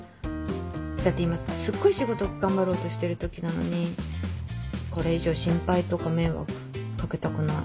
だって今すっごい仕事頑張ろうとしてるときなのにこれ以上心配とか迷惑かけたくない。